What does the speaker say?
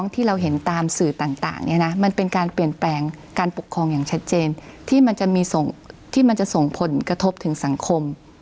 ที่มันจะส่งผลกระทบถึงสังคม